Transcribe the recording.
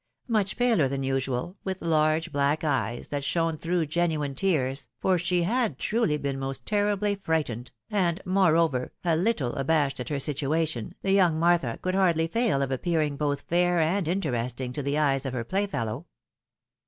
Much paler than usual, with large black eyes that shone through genuine tears (for she had truly been most terribly frightened), and, moreover, a little abashed at her situation, the young Martha could hardly fail of appearing both fair and interesting to the eyes of her playfellow.